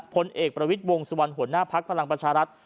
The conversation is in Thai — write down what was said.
พลเอกประวิทย์วงสุวรรณหัวหน้าภักดิ์พลังประชารัฐ